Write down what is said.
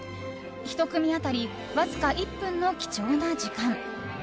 １組当たりわずか１分の貴重な時間。